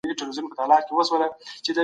ګاونډیانو به ځانګړي استازي لیږل.